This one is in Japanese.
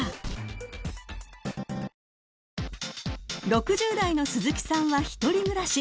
［６０代の鈴木さんは１人暮らし］